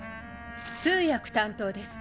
通訳担当です。